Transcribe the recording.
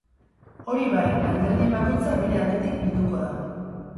Hori bai, alderdi bakoitza bere aldetik bilduko da.